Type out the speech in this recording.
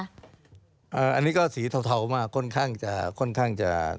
อันนี้ก็สีเทามากค่อนข้างจะ